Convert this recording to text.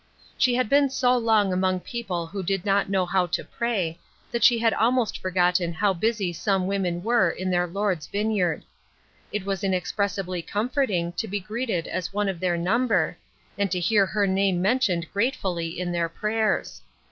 She had been so long among people who did not know how to pray, that she had almost forgotten how busy some women were in their Lord's vineyard. It was inexpressibly com forting to be greeted as one of their number, and to hear her name mentioned gratefully in their prayers.